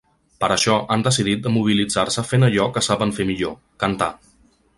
Per això, han decidit de mobilitzar-se fent allò que saben fer millor: cantar.